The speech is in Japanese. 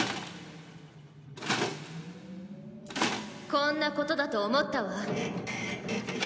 こんなことだと思ったわ。